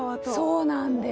そうなんです。